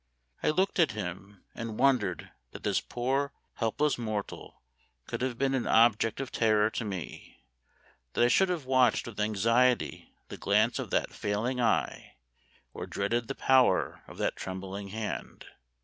I looked at him, and wondered that this poor, helpless mortal could have been an object of terror to me ; that I should have watched with anxiety the glance of that failing eye, or dreaded the power of that trembling hand.